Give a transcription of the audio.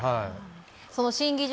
その新技術